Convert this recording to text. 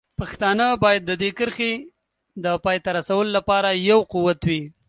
پښتانه باید د دې کرښې د پای ته رسولو لپاره یو قوت وي.